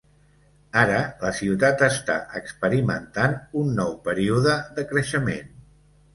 Ara la ciutat està experimentant un nou període de creixement.